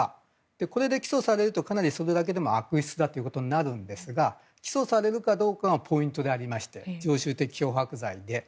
これで起訴されると、かなりそれだけでも悪質となるんですが起訴されるかどうかがポイントでありまして常習的脅迫罪で。